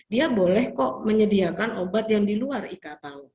dia boleh kok menyediakan obat di dalam e katalog